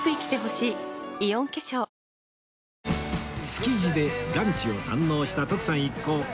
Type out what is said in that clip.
築地でランチを堪能した徳さん一行